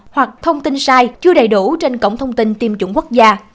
hoặc thông tin sai chưa đầy đủ trên cổng thông tin tiêm chủng quốc gia